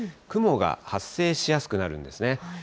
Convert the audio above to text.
雲が発生しやすくなるんですね。